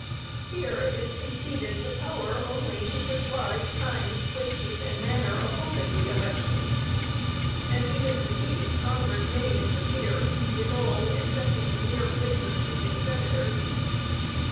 Here is conceded the power only to prescribe times, places and manner of holding the elections; and even with these Congress may interfere, with all excepting the mere place of choosing Senators.